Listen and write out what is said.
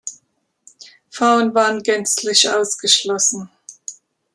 Frauen waren gänzlich ausgeschlossen.